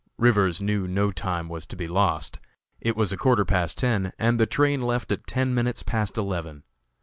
Rivers knew no time was to be lost; it was a quarter past ten, and the train left at ten minutes past eleven.